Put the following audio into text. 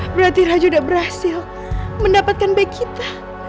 berarti raja udah berhasil mendapatkan baik kita